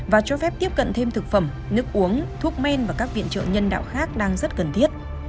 và cho phép tiếp cận thêm thực phẩm nước uống thuốc men và các viện trợ nhân đạo khác đang rất cần thiết